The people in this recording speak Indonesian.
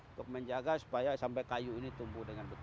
untuk menjaga supaya sampai kayu ini tumbuh dengan betul